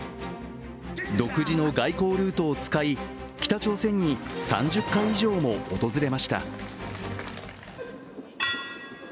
独自の外交ルートを使い、北朝鮮に３０回以上も訪れました。